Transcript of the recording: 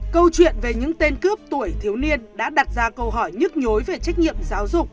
câu chuyện về những tên cướp tuổi thiếu niên đã đặt ra câu hỏi nhức nhối về trách nhiệm giáo dục